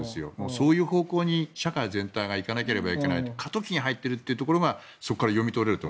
そういう方向に社会全体が行かなければいけない過渡期に入ってるってことがそこから読み取れると。